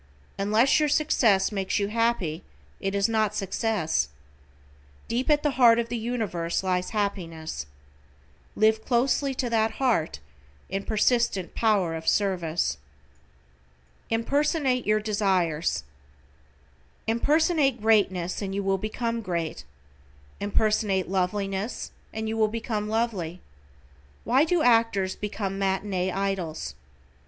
Unless your success makes you happy it is not success. Deep at the heart of the Universe lies happiness. Live closely to that heart, in persistent power of service. =IMPERSONATE YOUR DESIRES:= Impersonate greatness and you will become great. Impersonate loveliness and you will become lovely. Why do actors become matinee idols?